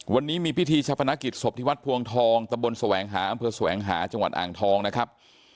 วันนี้มีพิธีชะพนักกิจศพที่วัดพวงทองตะบนแสวงหาอำเภอแสวงหาจังหวัดอ่างทองนะครับ